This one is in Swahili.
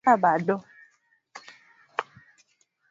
lakini ni mambo tunayaona ambayo yanapaswa kurekebishwa